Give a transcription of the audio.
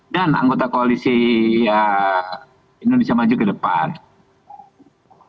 dan anggota koalisi indonesia maju ke depan